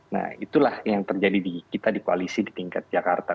nah itulah yang terjadi di kita di koalisi di tingkat jakarta